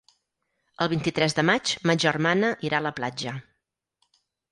El vint-i-tres de maig ma germana irà a la platja.